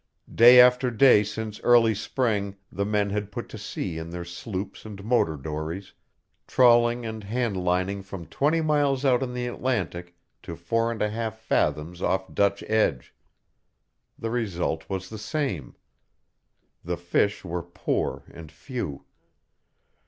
Day after day since early spring the men had put to sea in their sloops and motor dories, trawling and hand lining from twenty miles out in the Atlantic to four and a half fathoms off Dutch Edge. The result was the same. The fish were poor and few.